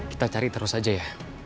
kita cari terus aja ya